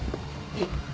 えっ？